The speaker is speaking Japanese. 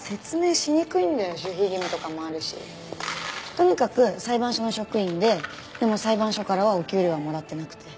とにかく裁判所の職員ででも裁判所からはお給料はもらってなくて。